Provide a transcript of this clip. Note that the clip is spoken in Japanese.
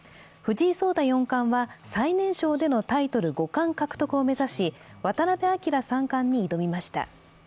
藤井聡太四冠は最年少でのタイトル五冠獲得を目指し、渡辺明三冠に挑みました。